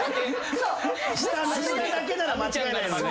下だけなら間違いないのにね。